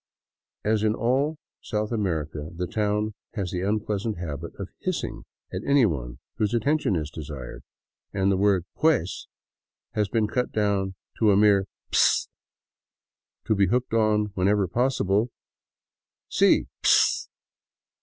As in all South America, the town has the unpleasant habit of hissing at any one whose attention is desired, and the word " pues " has been cut down to a mere " pss " to be hooked on whenever possible :—" Si, pss